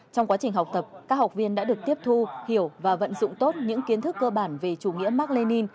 trong quá trình học tập các học viên đã được tiếp thu hiểu và vận dụng tốt những kiến thức cơ bản về chủ nghĩa mark lenin